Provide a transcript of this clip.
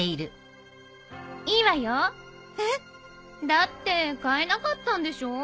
だって買えなかったんでしょ？